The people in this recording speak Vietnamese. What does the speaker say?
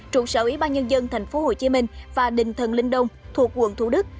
trụ sở ủy ban nhân dân tp hcm và đình thần linh đông thuộc quận thủ đức